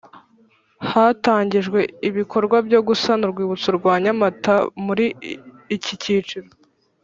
Hatangijwe ibikorwa byo gusana urwibutso rwa nyamata muri iki cyiciro